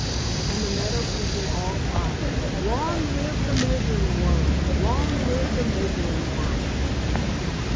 And the meadow people all cried: "Long live the Measuring Worm! Long live the Measuring Worm!"